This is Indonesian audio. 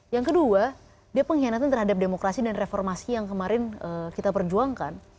yang kedua dia pengkhianatan terhadap demokrasi dan reformasi yang kemarin kita perjuangkan